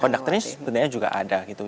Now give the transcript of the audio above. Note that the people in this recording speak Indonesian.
konduktor ini sebenarnya juga ada gitu